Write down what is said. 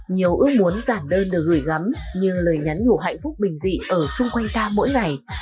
nhiều ước muốn giản đơn được gửi gắm như lời nhắn nhủ hạnh phúc bình dị ở xung quanh ta mỗi ngày